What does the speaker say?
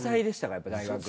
やっぱ大学。